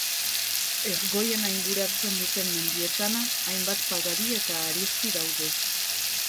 Ergoiena inguratzen duten mendietan, hainbat pagadi eta harizti daude.